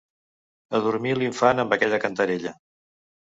Adormí l'infant amb aquella cantarella.